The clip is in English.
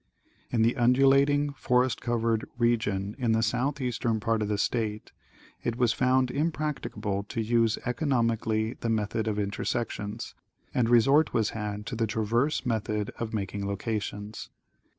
In the undulating, forest covered, region in the southeastern part of the state it was found impracticable to use economically the method of intersections, and resort was had to the traverse method for making locations.